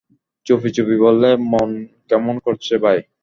চুপি চুপি বললে, মন কেমন করছে ভাই?